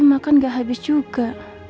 makan gak habis juga